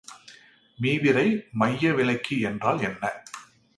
மீவிரை மையவிலக்கி என்றால் என்ன?